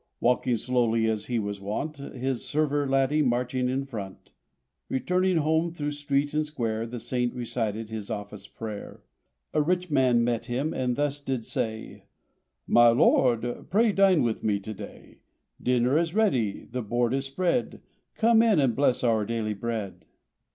Walking slowly as he was wont. His server laddie marching in front. Returning home through street and square The Saint recited his office prayer. A rich man met him and thus did say : '*My Lord, pray dine with me to day ; Dinner is ready, the board is spread — Come in and bless our daily bread.'